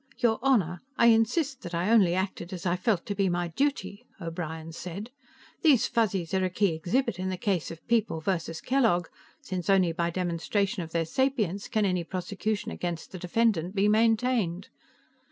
"Your Honor, I insist that I only acted as I felt to be my duty," O'Brien said. "These Fuzzies are a key exhibit in the case of People versus Kellogg, since only by demonstration of their sapience can any prosecution against the defendant be maintained."